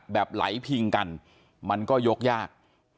แบบไหลพิงกันมันก็ยกยาก